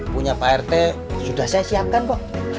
punya pak rt sudah saya siapkan kok